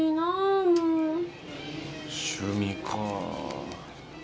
趣味かぁ。